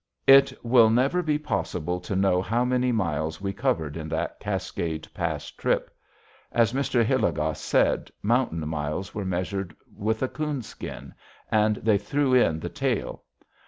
It will never be possible to know how many miles we covered in that Cascade Pass trip. As Mr. Hilligoss said, mountain miles were measured with a coonskin, and they threw in the tail.